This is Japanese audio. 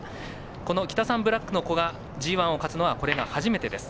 このキタサンブラックの子がＧＩを勝つのはこれが初めてです。